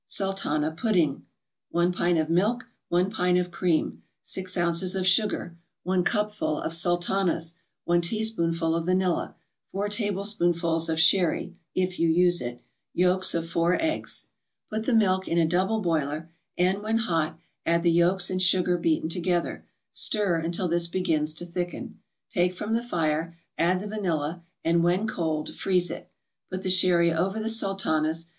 SULTANA PUDDING 1 pint of milk 1 pint of cream 6 ounces of sugar 1 cupful of Sultanas 1 teaspoonful of vanilla 4 tablespoonfuls of sherry (if you use it) Yolks of four eggs Put the milk in a double boiler, and, when hot, add the yolks and sugar beaten together; stir until this begins to thicken. Take from the fire, add the vanilla, and, when cold, freeze it. Put the sherry over the Sultanas.